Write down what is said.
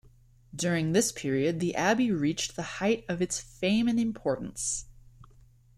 During this period, the abbey reached the height of its fame and importance.